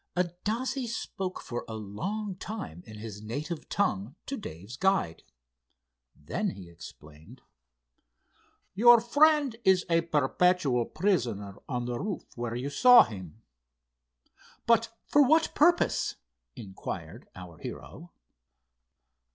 Adasse spoke for a long time in his native tongue to Dave's guide. Then he explained: "Your friend is a perpetual prisoner on the roof where you saw him." "But for what purpose?" inquired our hero.